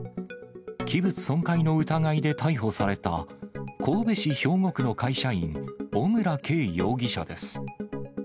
器物損壊の疑いで逮捕された、神戸市兵庫区の会社員、小村慶容疑者です。